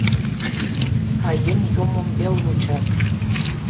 Каен йоммым вел вучат.